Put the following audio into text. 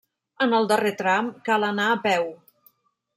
En el darrer tram, cal anar a peu.